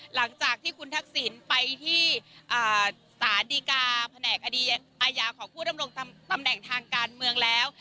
หลังจากที่คุณทักษิณไปที่สารดีกาแผนกคดีอาญาของผู้ดำรงตำแหน่งทางการเมืองแล้ว